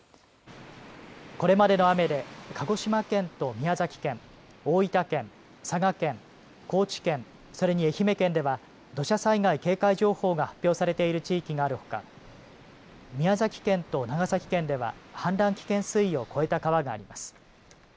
これまでの雨で鹿児島県と宮崎県、大分県、佐賀県、高知県、それに愛媛県では土砂災害警戒情報が発表されている地域があるほか宮崎県と長崎県では氾濫危険水位を超えた川があります。